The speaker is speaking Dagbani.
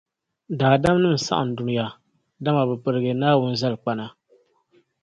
Daadamnim’ saɣim dunia, dama bɛ birigi Naawuni zaligukpana.